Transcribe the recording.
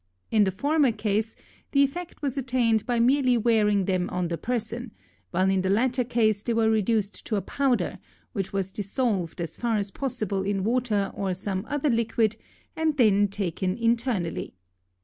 In the former case the effect was attained by merely wearing them on the person, while in the latter case they were reduced to a powder, which was dissolved as far as possible in water or some other liquid and then taken internally.